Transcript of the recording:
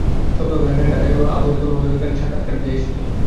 সপ্তাহ খানেক আগে ঢাকায় গিয়ে আবাহনী কর্মকর্তাদের কাছে সাক্ষাৎকার দিয়ে এসেছিলাম।